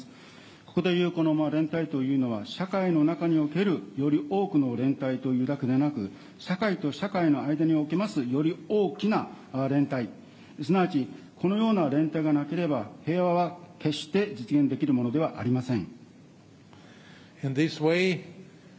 ここで言う、この連帯というのは、社会の中におけるより多くの連帯というだけでなく、社会と社会の間におきますより大きな連帯、すなわち、このような連帯がなければ、平和は決して実現できるものではありません。